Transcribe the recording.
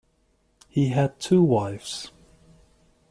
He had two wives.